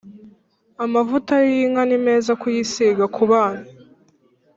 Amavuta yinka nimeza kuyisiga kubana